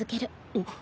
あっ。